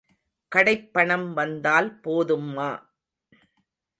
கடைப் பணம் வந்தால் போதும்மா.